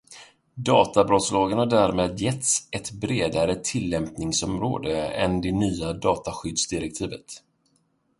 Brottsdatalagen har därmed getts ett bredare tillämpningsområde än det nya dataskyddsdirektivet.